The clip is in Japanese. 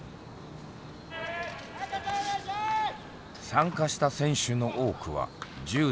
参加した選手の多くは１０代２０代。